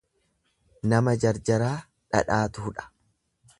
Nama jarjaraa dhadhaatu hudha.